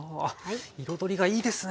彩りがいいですね。